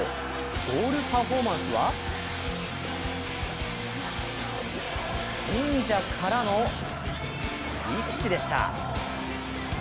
ゴールパフォーマンスは忍者からの力士でした。